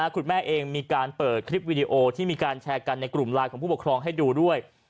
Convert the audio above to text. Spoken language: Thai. คุณแม่เองมีการเปิดคลิปวิดีโอที่มีการแชร์กันในกลุ่มไลน์ของผู้ปกครองให้ดูด้วย